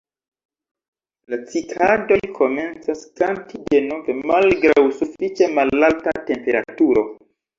La Cikadoj komencas kanti denove malgraŭ sufiĉe malalta temperaturo.